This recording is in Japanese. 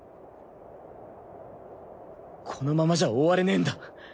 このままじゃ終われねえんだ。